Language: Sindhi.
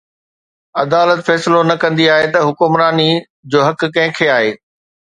عدالت فيصلو نه ڪندي آهي ته حڪمراني جو حق ڪنهن کي آهي.